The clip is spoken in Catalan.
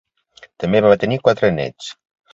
També va tenir quatre nets.